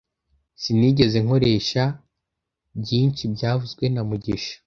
Sinigeze nkoresha byinshi byavuzwe na mugisha